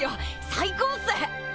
最高っす！